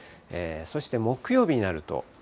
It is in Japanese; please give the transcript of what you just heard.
そして、木曜日になると。